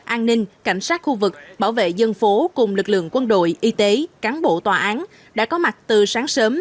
an ninh cảnh sát khu vực bảo vệ dân phố cùng lực lượng quân đội y tế cán bộ tòa án đã có mặt từ sáng sớm